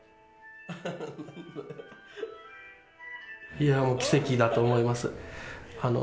いや、もう奇跡だと思います。